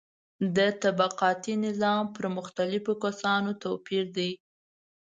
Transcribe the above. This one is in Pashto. د طبقاتي نظام پر مختلفو کسانو توپیر دی.